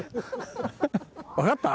わかった？